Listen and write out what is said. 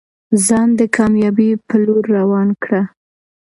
ځان د کامیابۍ په لور روان کړه.